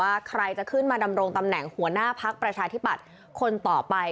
ใครจะขึ้นมาดำรงตำแหน่งหัวหน้าพักประชาธิปัตย์คนต่อไป